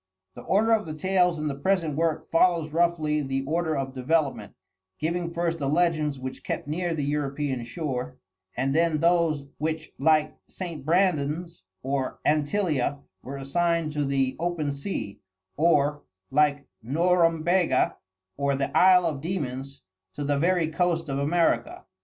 The order of the tales in the present work follows roughly the order of development, giving first the legends which kept near the European shore, and then those which, like St. Brandan's or Antillia, were assigned to the open sea or, like Norumbega or the Isle of Demons, to the very coast of America.